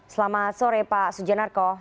selamat sore pak sujanarko